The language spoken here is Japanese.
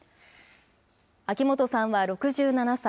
秋元さんは６７歳。